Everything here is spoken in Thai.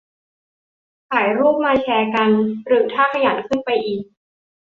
ถ่ายรูปมาแชร์กัน - หรือถ้าขยันขึ้นไปอีก